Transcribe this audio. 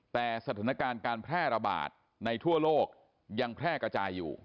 แต่สถานการณ์การแพร่ระบาดในทั่วโลกยังแพร่กระจายอยู่